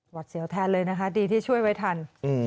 เสียวแทนเลยนะคะดีที่ช่วยไว้ทัน